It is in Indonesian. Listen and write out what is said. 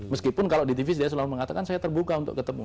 meskipun kalau di tv saya selalu mengatakan saya terbuka untuk ketemu